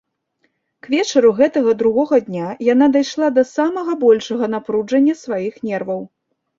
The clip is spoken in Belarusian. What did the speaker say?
К вечару гэтага другога дня яна дайшла да самага большага напружання сваіх нерваў.